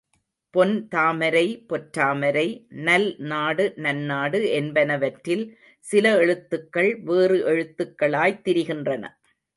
பொன் தாமரை பொற்றாமரை, நல் நாடு நன்னாடு என்பனவற்றில், சில எழுத்துகள் வேறு எழுத்துகளாய்த் திரிகின்றன.